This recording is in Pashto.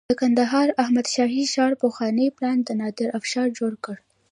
د کندهار د احمد شاهي ښار پخوانی پلان د نادر افشار جوړ کړی